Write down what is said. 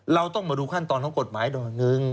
เราต้องมาดูขั้นตอนของกฎหมายหน่อยหนึ่ง